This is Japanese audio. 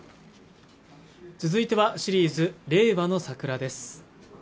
続いてはシリーズ「令和のサクラ」です